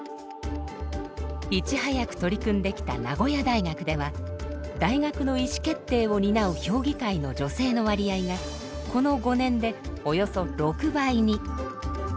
いち早く取り組んできた名古屋大学では大学の意思決定を担う評議会の女性の割合がこの５年でおよそ６倍に。